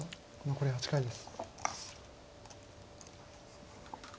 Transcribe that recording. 残り８回です。